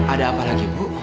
ada apa lagi bu